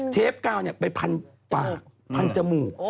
เทปกาวไปพันปากพันจมูก